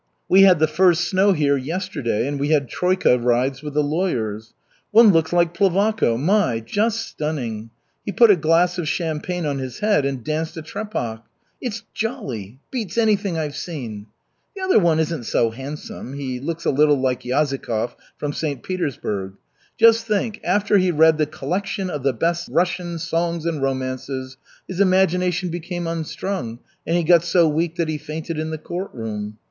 We had the first snow here yesterday, and we had troika rides with the lawyers. One looks like Plevako my! just stunning! He put a glass of champagne on his head and danced a trepak. It's jolly, beats anything I've seen! The other one isn't so handsome, he looks a little like Yazikov from St. Petersburg. Just think, after he read "The Collection of the Best Russian Songs and Romances," his imagination became unstrung and he got so weak that he fainted in the court room.